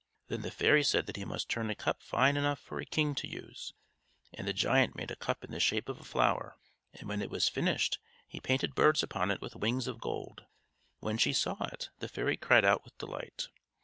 Then the fairy said that he must turn a cup fine enough for a king to use. And the giant made a cup in the shape of a flower; and when it was finished, he painted birds upon it with wings of gold. When she saw it, the fairy cried out with delight.